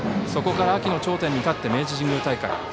そこから秋の頂点に立って明治神宮大会。